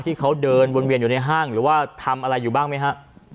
ที่เขาเดินวนเวียนอยู่ในห้างหรือว่าทำอะไรอยู่บ้างไหมฮะ